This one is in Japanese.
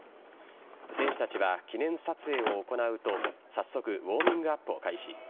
選手たちは記念撮影を行うと早速、ウォーミングアップを開始。